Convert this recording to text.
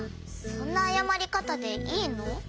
そんなあやまりかたでいいの？